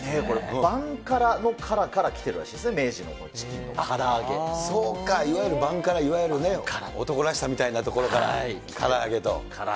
バンカラのカラカラきてるらしいですね、明治のチキンのからそうか、いわゆるバンカラ、いわゆるね、男らしさみたいなところから、から揚げと。